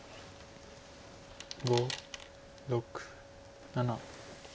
５６７。